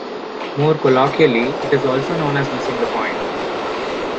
More colloquially, it is also known as missing the point.